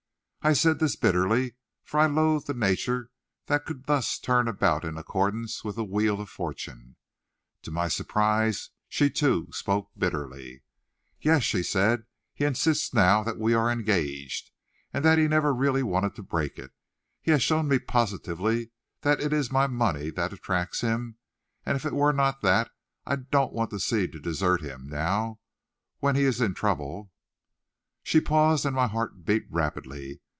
I said this bitterly, for I loathed the nature that could thus turn about in accordance with the wheel of fortune. To my surprise, she too spoke bitterly. "Yes," she said; "he insists now that we are engaged, and that he never really wanted to break it. He has shown me positively that it is my money that attracts him, and if it were not that I don't want to seem to desert him now, when he is in trouble " She paused, and my heart beat rapidly.